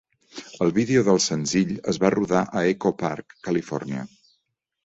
El vídeo del senzill es va rodar a Echo Park, Califòrnia.